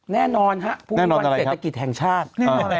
แน่นอนครับพวกมีวันเศรษฐกิจแห่งชาติ